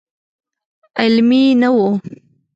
علمي نه و.